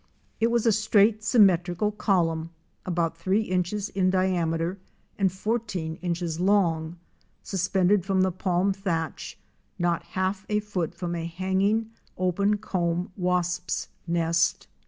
It was a straight symmetrical column about three inches in diameter and fourteen inches long, suspended from the palm thatch, not half a foot from a hanging, open comb wasps' nest.